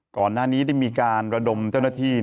ก่อนหน้านี้ได้มีการระดมเจ้าหน้าที่